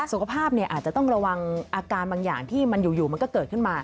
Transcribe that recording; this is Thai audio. สุขภาพอาจจะต้องระวังอาการบางอย่างที่มันอยู่มันก็เกิดขึ้นมา